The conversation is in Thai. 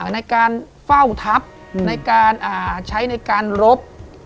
ในการเฝ้าทัพใช้ในการรบ